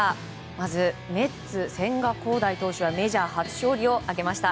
まずメッツ、千賀滉大投手はメジャー初勝利を挙げました。